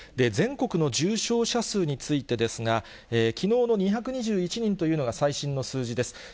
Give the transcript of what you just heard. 全国の重症者数についてですが、きのうの２２１人というのが、最新の数字です。